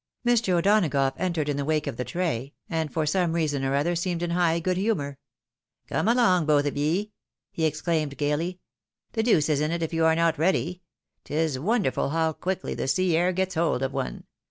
Mr. O'Donagough entered in the wake of the tray, and for some reason or other seemed in high good humour. " Come along, both of ye !" he exclaimed, gaily. " The deuce is in it if you are not ready. 'Tis wonderful how quickly the sea air gets hold of one."